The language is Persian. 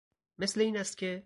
مثل این است که...